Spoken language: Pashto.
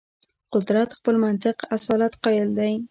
قدرت خپل منطق اصالت قایل دی.